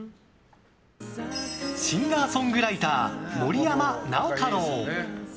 シンガーソングライター森山直太朗。